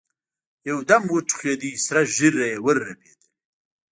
يودم وټوخېد سره ږيره يې ورپېدله.